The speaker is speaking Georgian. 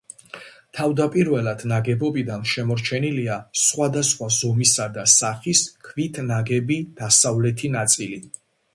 თავდაპირველი ნაგებობიდან შემორჩენილია სხვადასხვა ზომისა და სახის ქვით ნაგები დასავლეთი ნაწილი.